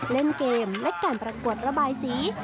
เล่นเกมและการประกวดระบายสี